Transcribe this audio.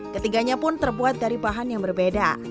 ketiganya pun terbuat dari bahan yang berbeda